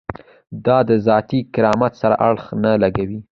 دا د ذاتي کرامت سره اړخ نه لګوي.